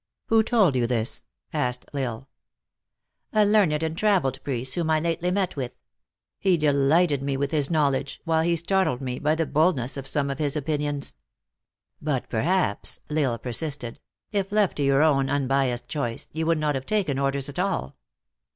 " Who told you this ?" asked L Isle. " A learned and traveled priest, whom I lately met with. He delighted me with his knowledge, while he startled me by the boldness of some of his opinions." " But, perhaps," L Isle persisted, " if left to your own unbiassed choice, you would not have taken orders at all."